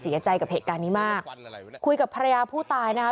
เสียใจกับเหตุการณ์นี้มากคุยกับภรรยาผู้ตายนะคะ